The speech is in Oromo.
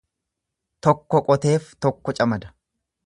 Tokko qoteef tokko camada.